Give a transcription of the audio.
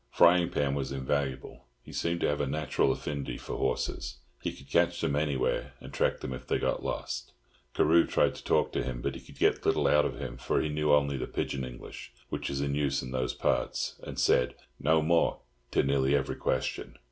Frying Pan was invaluable. He seemed to have a natural affinity for horses. He could catch them anywhere, and track them if they got lost. Carew tried to talk to him, but could get little out of him, for he knew only the pidgin English, which is in use in those parts, and said "No more" to nearly every question.